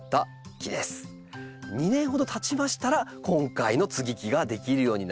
２年ほどたちましたら今回の接ぎ木ができるようになります。